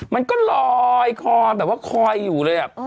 มันก็รอยควรแบบว่าคอยอยู่เลยเนี่ย